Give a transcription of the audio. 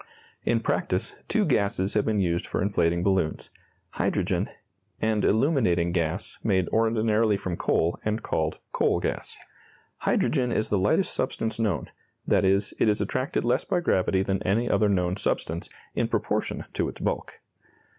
In practice, two gases have been used for inflating balloons hydrogen, and illuminating gas, made ordinarily from coal, and called "coal gas." Hydrogen is the lightest substance known; that is, it is attracted less by gravity than any other known substance, in proportion to its bulk.